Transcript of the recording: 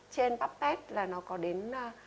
trên puppet là nó có đến